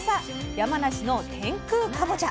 「山梨の天空かぼちゃ」